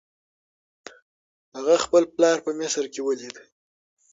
هغه خپل پلار په مصر کې ولید.